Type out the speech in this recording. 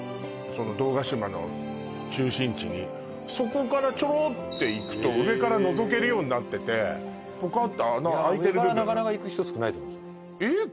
その堂ヶ島の中心地にそこからちょろって行くと上からのぞけるようになっててポカッて穴あいてる部分上から行く人少ないと思いますよえっ？